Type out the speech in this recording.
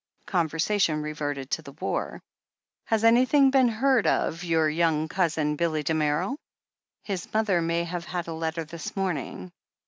Conversation reverted to the war. "Has ansrthing been heard of your young cousin, Billy Damerel?" "His mother may have had a letter this morning."